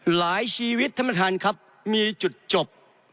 หลายชีวิตท่านประธานครับมีจุดจบ